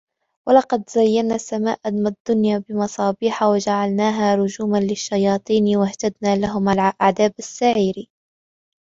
ولقد زينا السماء الدنيا بمصابيح وجعلناها رجوما للشياطين وأعتدنا لهم عذاب السعير